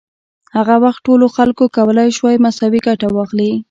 هغه وخت ټولو خلکو کولای شوای مساوي ګټه واخلي.